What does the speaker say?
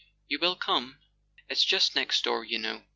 You unit come ? It's just next door, you know."